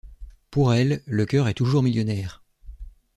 Pour elles, le cœur est toujours millionnaire!